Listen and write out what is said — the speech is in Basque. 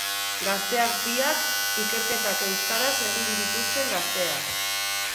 Gazteak biak, ikerketak euskarak egin dituzten gazteak.